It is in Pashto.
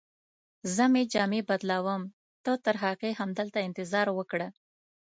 زه مې جامې بدلوم، ته ترهغې همدلته انتظار وکړه.